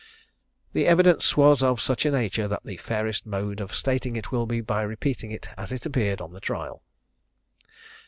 The evidence was of such a nature that the fairest mode of stating it will be by repeating it as it appeared on the trial.